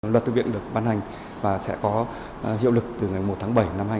luật thư viện được ban hành và sẽ có hiệu lực từ ngày một tháng bảy năm hai nghìn hai mươi